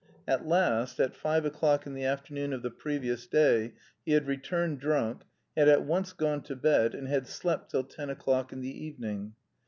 At last, at five o'clock in the afternoon of the previous day, he had returned drunk, had at once gone to bed, and had slept till ten o'clock in the evening.